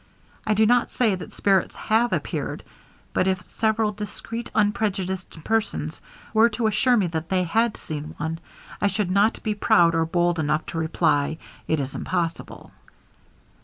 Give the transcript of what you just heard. I do not say that spirits have appeared; but if several discreet unprejudiced persons were to assure me that they had seen one, I should not be proud or bold enough to reply 'it is impossible.'